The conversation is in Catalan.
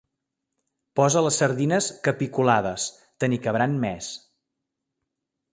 Posa les sardines capiculades: te n'hi cabran més.